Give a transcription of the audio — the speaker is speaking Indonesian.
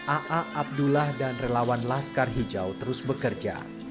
aa abdullah dan relawan laskar hijau terus bekerja